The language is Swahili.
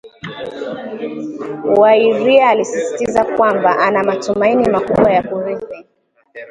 Wa Iria alisisitiza kwamba ana matumaini makubwa ya kuridhi